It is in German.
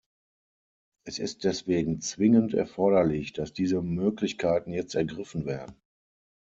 Es ist deswegen zwingend erforderlich, dass diese Möglichkeiten jetzt ergriffen werden.